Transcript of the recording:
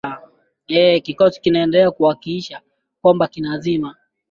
eeh kikosi kinaendelea kuakikisha kwamba kinazima